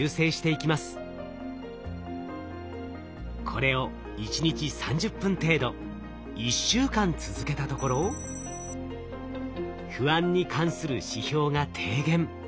これを１日３０分程度１週間続けたところ不安に関する指標が低減。